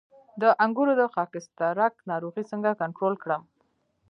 د انګورو د خاکسترک ناروغي څنګه کنټرول کړم؟